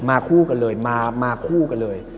คู่กันเลยมาคู่กันเลย